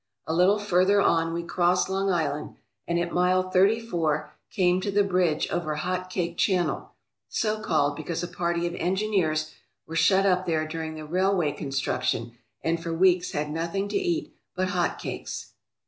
A little farther on we crossed Long Island, and at Mile Thirty four came to the bridge over Hot Cake Channel, so called because a party of engineers were shut up there during the railway construction and for weeks had nothing to eat but hot cakes.